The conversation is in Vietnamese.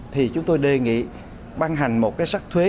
thì chúng tôi đề nghị ban hành một cái sắc thuế